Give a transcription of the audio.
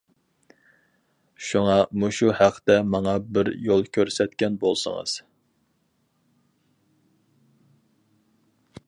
شۇڭا مۇشۇ ھەقتە ماڭا بىر يول كۆرسەتكەن بولسىڭىز!